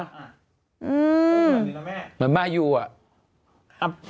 เหมือนมายูอ่ะ